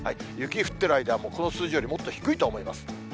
雪降ってる間は、もうこの数字よりもっと低いと思います。